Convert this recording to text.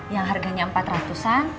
yang harganya empat ratus an